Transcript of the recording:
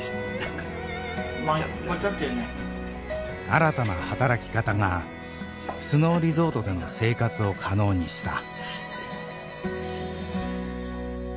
新たな働き方がスノーリゾートでの生活を可能にした。